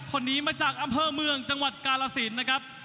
คนนี้มาจากอำเภอเมืองจังหวัดกาลสินนะครับ